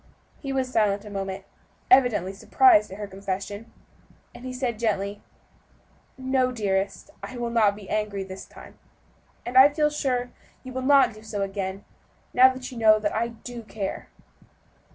He was silent a moment, evidently surprised at her confession; then he said gently, "No, dearest, I will not be angry this time, and I feel sure you will not do so again, now you know that I do care."